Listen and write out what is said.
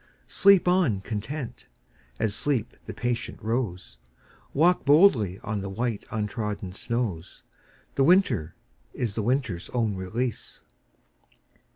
Sleep on content, as sleeps the patient rose. Walk boldly on the white untrodden snows, The winter is the winter's own release.